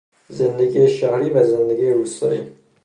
زندگی شهری و زندگی روستایی